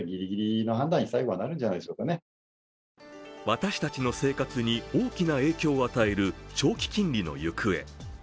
私たちの生活に大きな影響を与える長期金利の行方。